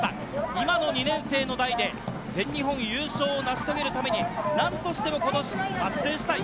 今の２年生の代で、全日本優勝を成し遂げるために何としても、ことし達成したい。